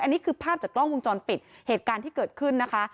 อันนี้คือภาพจากกล้องวงจรปิดเหตุการณ์ที่เกิดขึ้นนะคะ